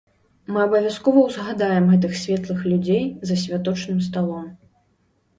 Мы абавязкова ўзгадаем гэтых светлых людзей за святочным сталом.